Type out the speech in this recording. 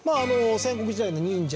戦国時代の忍者。